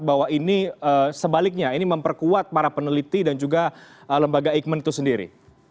bahwa ini sebaliknya ini memperkuat para peneliti dan juga lembaga eijkman itu sendiri